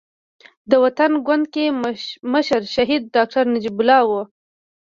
د وطن ګوند کې مشر شهيد ډاکټر نجيب الله وو.